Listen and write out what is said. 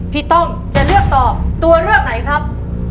ต้อมจะเลือกตอบตัวเลือกไหนครับ